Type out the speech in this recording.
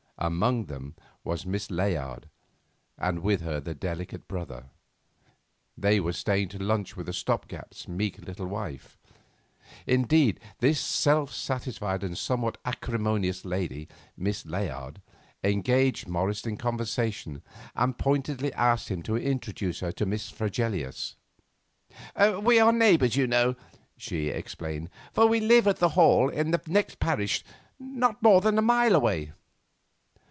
Among them was Miss Layard, and with her the delicate brother. They were staying to lunch with the Stop gap's meek little wife. Indeed, this self satisfied and somewhat acrimonious lady, Miss Layard, engaged Morris in conversation, and pointedly asked him to introduce her to Miss Fregelius. "We are to be neighbours, you know," she explained, "for we live at the Hall in the next parish, not more than a mile away."